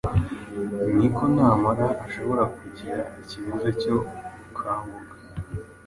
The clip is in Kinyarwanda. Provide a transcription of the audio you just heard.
niko n’amara ashobora kugira ikibazo cyo gukanguka